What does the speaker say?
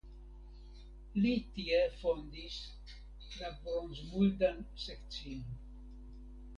Li tie fondis la bronzmuldan sekcion.